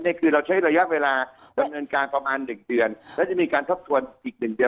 นี่คือเราใช้ระยะเวลาดำเนินการประมาณหนึ่งเดือนและจะมีการทบทวนอีกหนึ่งเดือน